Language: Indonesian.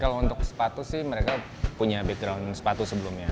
kalau untuk sepatu sih mereka punya background sepatu sebelumnya